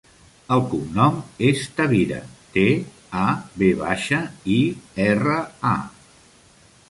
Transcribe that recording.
El cognom és Tavira: te, a, ve baixa, i, erra, a.